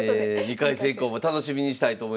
２回戦以降も楽しみにしたいと思います。